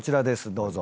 どうぞ。